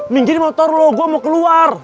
minggi di motor lo gua mau keluar